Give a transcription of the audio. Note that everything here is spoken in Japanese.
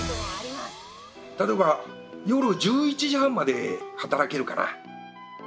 例えば夜１１時半まで働けるかな？